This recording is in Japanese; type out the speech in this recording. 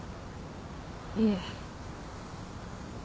いえ。